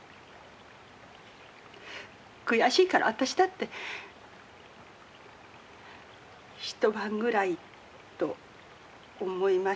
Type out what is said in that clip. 「悔しいから私だって一晩ぐらいと思いましたけど」。